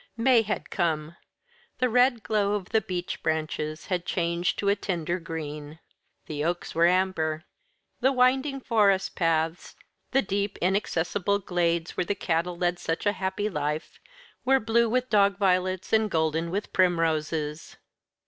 May had come. The red glow of the beech branches had changed to a tender green; the oaks were amber; the winding forest paths, the deep inaccessible glades where the cattle led such a happy life, were blue with dog violets and golden with primroses.